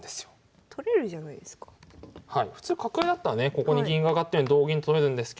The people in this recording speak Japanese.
ここに銀が上がって同銀と取れるんですけど。